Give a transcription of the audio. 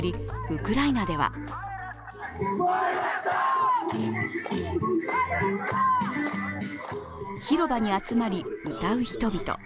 ウクライナでは広場に集まり、歌う人々。